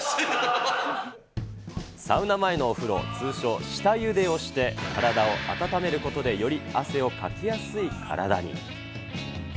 サウナ前のお風呂、通称、下ゆでをして体を温めることで、より汗をかきやすい体に。